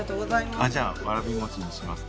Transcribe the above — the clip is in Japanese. じゃあ、わらび餅にします。